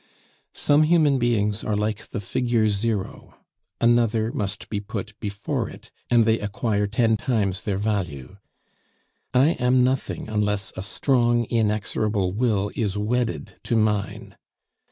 "Some human beings are like the figure 0, another must be put before it, and they acquire ten times their value. I am nothing unless a strong inexorable will is wedded to mine.